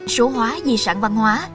số hóa di sản văn hóa